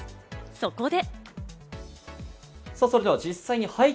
そこで。